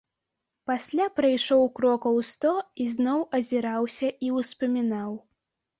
Пасля прайшоў крокаў сто і зноў азіраўся і ўспамінаў.